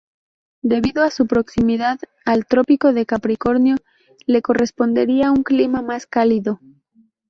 Debido a su proximidad al Trópico de Capricornio le correspondería un clima más cálido.